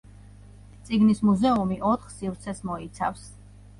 წიგნის მუზეუმი ოთხ სივრცეს მოიცავს.